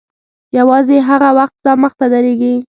یوازې هغه وخت ستا مخته درېږي.